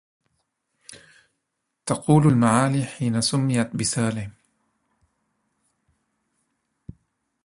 تقول المعالي حين سميت بسالم